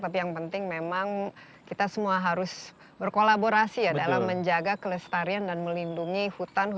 tapi yang penting memang kita semua harus berkolaborasi ya dalam menjaga kelestarian dan melindungi hutan hutan